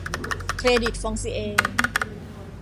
เครดิตฟองซิเอร์